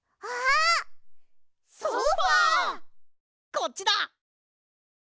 こっちだ！